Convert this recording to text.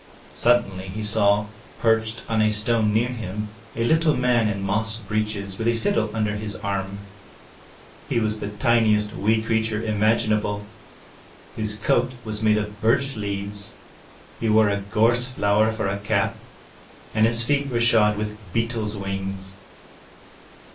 Suddenly he saw, perched on a stone near him, a little man in moss breeches with a fiddle under his arm. He was the tiniest wee creature imaginable. His coat was made of birch leaves; he wore a gorse flower for a cap, and his feet were shod with beetles' wings.